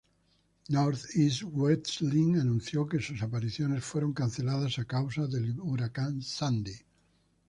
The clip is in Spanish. North East Wrestling anunció que sus apariciones fueron canceladas a causa del Huracán Sandy.